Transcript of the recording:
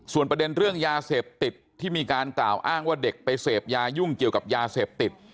ส่วนประเด็นเรื่องยาเสพติดที่มีการกล่าวอ้างว่าเด็กไปเสพยายุ่งเกี่ยวกับยาเสพติด